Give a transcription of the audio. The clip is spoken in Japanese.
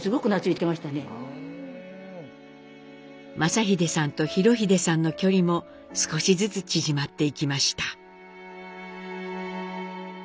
正英さんと裕英さんの距離も少しずつ縮まっていきました。